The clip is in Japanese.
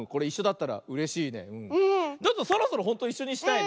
そろそろほんといっしょにしたいね。